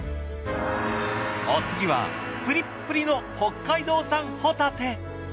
お次はプリップリの北海道産ホタテ。